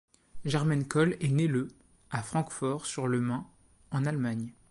Jermaine Cole est né le à Francfort-sur-le-Main, en Allemagne.